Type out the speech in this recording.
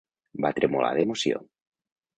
Va tremolar d'emoció.